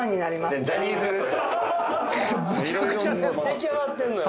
出来上がってんのよ